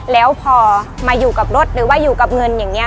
แล้วพอมาอยู่กับรถหรือว่าอยู่กับเงินอย่างนี้